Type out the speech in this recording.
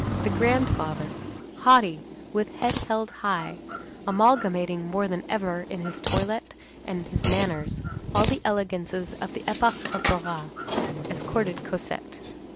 The grandfather, haughty, with head held high, amalgamating more than ever in his toilet and his manners all the elegances of the epoch of Barras, escorted Cosette.